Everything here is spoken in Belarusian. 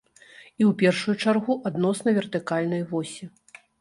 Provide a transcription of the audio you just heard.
І ў першую чаргу адносна вертыкальнай восі.